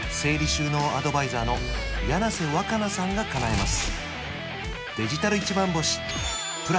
収納アドバイザーの柳瀬わかなさんがかなえます